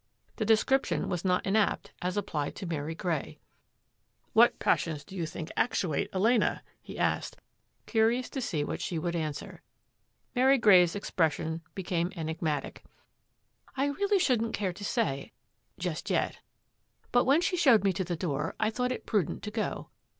The description was not inapt as applied to Mary Grey. " What passions do you think actuate Elena? " he asked, curious to see what she would answer. Mary Grey's expression became enigmatic. " I really shouldn't care to say — just yet; but when she showed me to the door, I thought it prudent to go.